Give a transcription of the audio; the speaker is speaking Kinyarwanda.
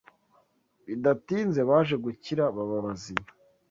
Bidatinze baje gukira baba bazima